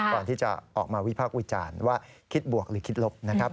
ก่อนที่จะออกมาวิภาควิจารณ์ว่าคิดบวกหรือคิดลบ